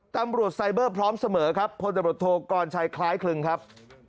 ตำรวจไซเบอร์พร้อมเสมอครับพลตำรวจโทกรชัยคล้ายคลึงครับ